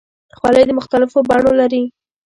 خولۍ د مختلفو بڼو لري.